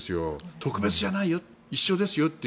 特別じゃないよ、一緒ですよと。